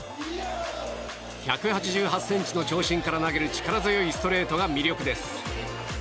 １８８ｃｍの長身から投げる力強いストレートが魅力です。